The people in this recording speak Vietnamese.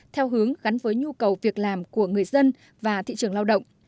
theo hướng gắn với nhu cầu việc làm của người dân và thị trường lao động